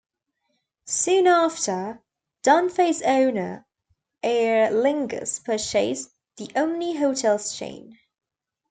Soon after, Dunfey's owner, Aer Lingus, purchased the Omni Hotels chain.